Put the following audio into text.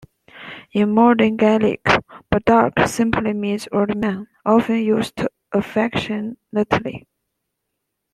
In modern Gaelic, "bodach" simply means "old man", often used affectionately.